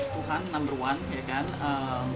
tuhan number one